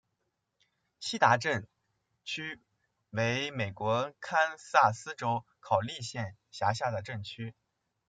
锡达镇区为美国堪萨斯州考利县辖下的镇区。